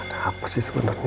ada apa sih sebenarnya